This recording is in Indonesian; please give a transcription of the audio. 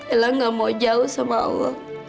ella gak mau jauh sama allah